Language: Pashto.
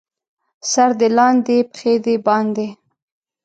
سر دې لاندې، پښې دې باندې.